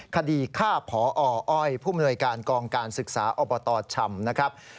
คดีฆ่าพออ้อยผู้มนวยการกองการศึกษาอบตชำนะครับ